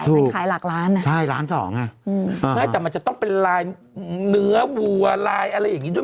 ถูกใช่๑๒ล้านน่ะมันจะต้องเป็นลายเนื้อวัวลายอะไรอย่างนี้ด้วย